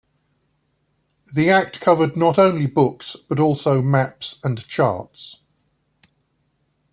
The act covered not only books, but also maps and charts.